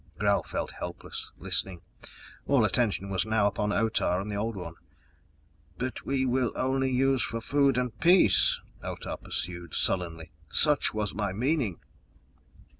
Gral felt helpless, listening. All attention was now upon Otah and the Old One. "But we will use only for food and peace," Otah pursued sullenly. "Such was my meaning!"